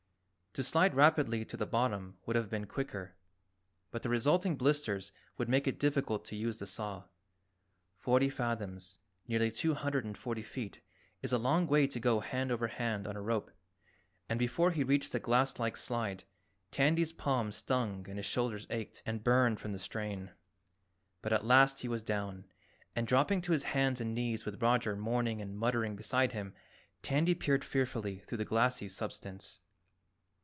To slide rapidly to the bottom would have been quicker, but the resulting blisters would make it difficult to use the saw. Forty fathoms, nearly two hundred and forty feet, is a long way to go hand over hand on a rope, and before he reached the glass like slide, Tandy's palms stung and his shoulders ached and burned from the strain. But at last he was down, and dropping to his hands and knees with Roger mourning and muttering beside him, Tandy peered fearfully through the glassy substance.